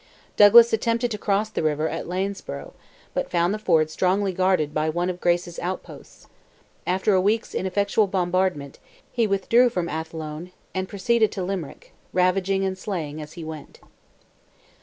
Douglas attempted to cross the river at Lanesborough, but found the ford strongly guarded by one of Grace's outposts; after a week's ineffectual bombardment, he withdrew from before Athlone, and proceeded to Limerick, ravaging and slaying as he went.